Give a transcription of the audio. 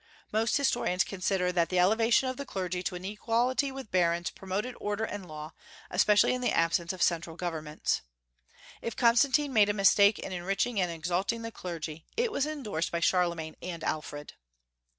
Most historians consider that the elevation of the clergy to an equality with barons promoted order and law, especially in the absence of central governments. If Constantine made a mistake in enriching and exalting the clergy, it was endorsed by Charlemagne and Alfred.